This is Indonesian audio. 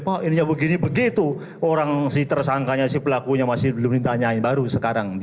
pak ininya begini begitu orang si tersangkanya si pelakunya masih belum ditanyain baru sekarang